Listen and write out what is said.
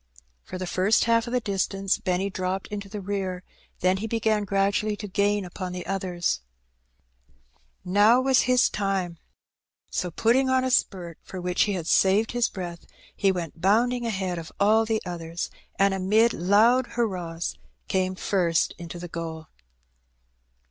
For the first half of the distance Benny dropped into the ar, then he began gradually to gain npon the others. 108 Heb Benny. Now was his time, so putting on a spurt, for which he had saved his breath, he went bounding ahead of all the others, and amid loud hurrahs came first into the goal.